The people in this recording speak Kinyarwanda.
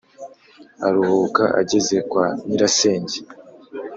aruhuka ageze kwa nyirasenge,